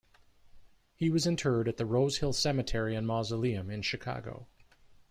He was interred at the Rosehill Cemetery and Mausoleum in Chicago.